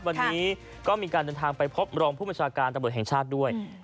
วันนี้ก็มีการเดินทางไปพบรองผู้บัญชาการตำรวจแห่งชาติด้วย